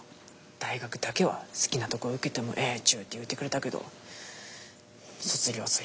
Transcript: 大学だけは好きなとこ受けてもええちゅうて言うてくれたけど卒業すりゃあ戻らにゃいけんし。